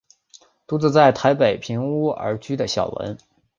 独自在台北赁屋而居的小文。